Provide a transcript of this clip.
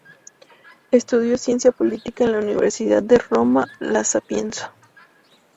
Estudió ciencia política en la Universidad de Roma La Sapienza.